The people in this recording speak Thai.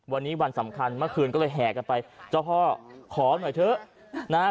วันนี้วันสำคัญเมื่อคืนก็เลยแห่กันไปเจ้าพ่อขอหน่อยเถอะนะฮะ